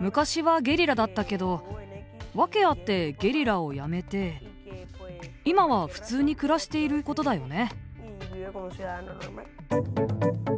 昔はゲリラだったけど訳あってゲリラをやめて今は普通に暮らしていることだよね。